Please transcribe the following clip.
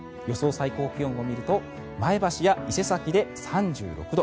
最高気温を見ると前橋や伊勢崎で３６度。